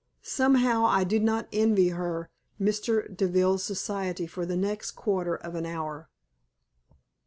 Somehow I did not envy her Mr. Deville's society for the next quarter of an hour.